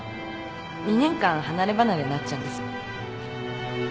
２年間離れ離れになっちゃうんです。